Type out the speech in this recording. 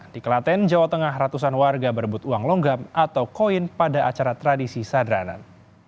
di kelaten jawa tengah ratusan warga berebut uang longgam atau koin pada acara tradisi sadranan